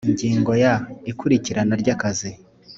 Ingingo ya ikurirana ry akazi